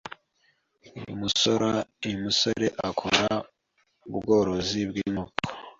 Uyu musore ukora ubworozi bw’inkoko